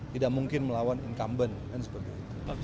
tidak mungkin melawan incumbent dan sebagainya